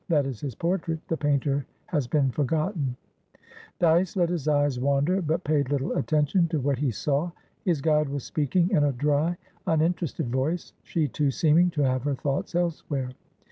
That is his portraitthe painter has been forgotten." Dyce let his eyes wander, but paid little attention to what he saw. His guide was speaking in a dry, uninterested voice, she, too, seeming to have her thoughts elsewhere.